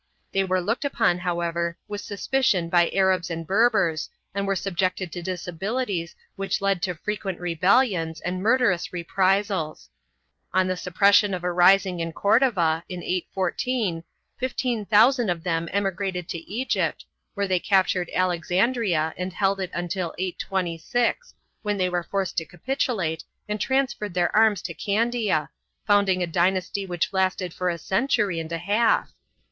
They were looked upon, however, with suspicion by Arabs and Berbers and were subjected to disabilities which led to frequent rebellions and murderous reprisals. On the suppression of a rising in Cordova, in 814, fifteen thousand of them emigrated to Egypt, where they captured Alexandria and held it until 826, when they were forced to capitulate and transferred their arms to Candiar founding a dynasty which lasted for a century and a half.